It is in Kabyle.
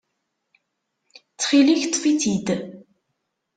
Ttxil-k, ṭṭef-itt-id.